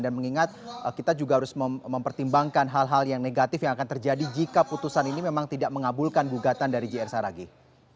dan mengingat kita juga harus mempertimbangkan hal hal yang negatif yang akan terjadi jika putusan ini memang tidak mengabulkan gugatan dari jr saragih